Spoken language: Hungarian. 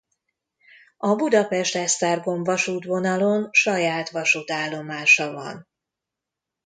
A Budapest–Esztergom-vasútvonalon saját vasútállomása van.